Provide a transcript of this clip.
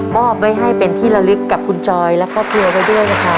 อบไว้ให้เป็นที่ละลึกกับคุณจอยและครอบครัวไว้ด้วยนะครับ